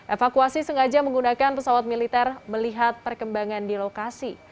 evakuasi sengaja menggunakan pesawat militer melihat perkembangan di lokasi